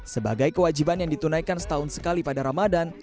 sebagai kewajiban yang ditunaikan setahun sekali pada ramadan